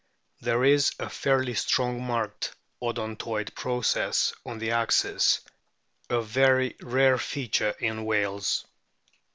There is a fairly strongly marked odon toid process on the axis, a very rare feature in whales.